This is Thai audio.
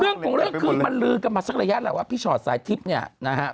เรื่องของเรื่องคือมันลือกันมาสักระยะแหละว่าพี่ชอตสายทิพย์เนี่ยนะฮะ